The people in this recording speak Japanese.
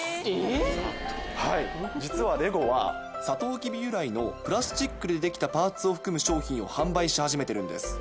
実はＬＥＧＯはサトウキビ由来のプラスチックでできたパーツを含む商品を販売し始めてるんです。